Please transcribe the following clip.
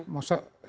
masuk ke negara lain